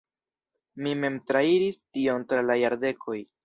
Mi mem trairis tion tra la jardekoj.